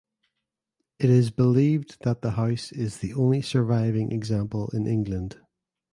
It is believed that the house is the only surviving example in England.